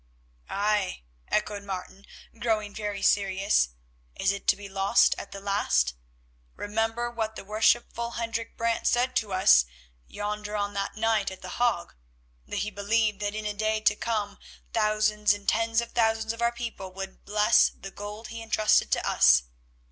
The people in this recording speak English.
"Aye," echoed Martin, growing very serious, "is it to be lost at the last? Remember what the worshipful Hendrik Brant said to us yonder on that night at The Hague—that he believed that in a day to come thousands and tens of thousands of our people would bless the gold he entrusted to us."